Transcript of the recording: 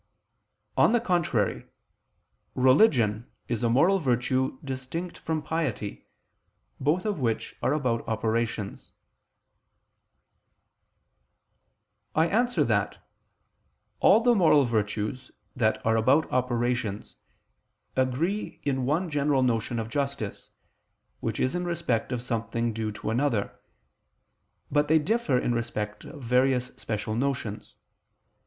On the contrary, Religion is a moral virtue distinct from piety, both of which are about operations. I answer that, All the moral virtues that are about operations agree in one general notion of justice, which is in respect of something due to another: but they differ in respect of various special notions.